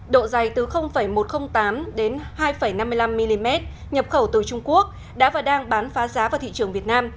độ dày từ một trăm linh tám đến hai năm mươi năm mm nhập khẩu từ trung quốc đã và đang bán phá giá vào thị trường việt nam